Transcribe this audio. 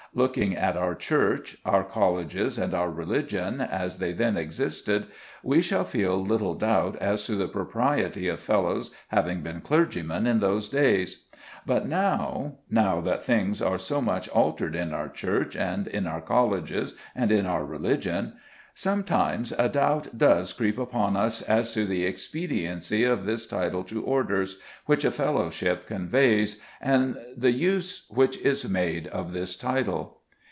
Looking at our Church, our colleges, and our religion, as they then existed, we shall feel little doubt as to the propriety of fellows having been clergymen in those days. But now, now that things are so much altered in our Church and in our colleges and in our religion, sometimes a doubt does creep upon us as to the expediency of this title to orders which a fellowship conveys, and the use which is made of this title.